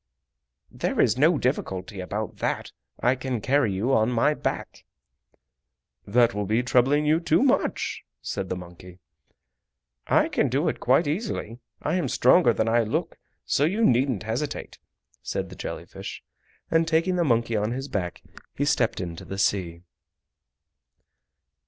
"There is no difficulty about that. I can carry you on my back." "That will be troubling you too much," said the monkey. "I can do it quite easily. I am stronger than I look, so you needn't hesitate," said the jelly fish, and taking the monkey on his back he stepped into the sea.